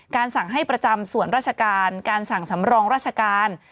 สั่งให้ประจำส่วนราชการการสั่งสำรองราชการ